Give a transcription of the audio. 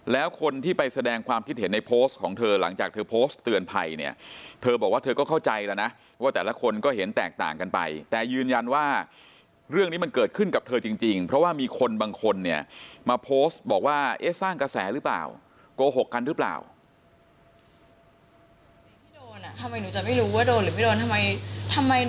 แล้วคนที่ไปแสดงความคิดเห็นในโพสต์ของเธอหลังจากเธอโพสต์เตือนภัยเนี่ยเธอบอกว่าเธอก็เข้าใจแล้วนะว่าแต่ละคนก็เห็นแตกต่างกันไปแต่ยืนยันว่าเรื่องนี้มันเกิดขึ้นกับเธอจริงเพราะว่ามีคนบางคนเนี่ยมาโพสต์บอกว่าเอ๊ะสร้างกระแสหรือเปล่าโกหกกันหรือเปล่า